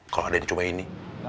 kalau ada yang cuma ini